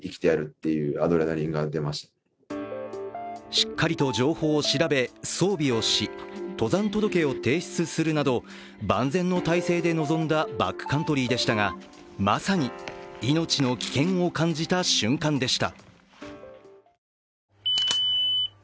しっかりと情報を調べ、装備をし登山届を提出するなど万全の体制で臨んだ、バックカントリーでしたがまさに命の危険を感じた瞬間でした。